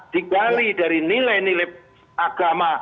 digali dari nilai nilai agama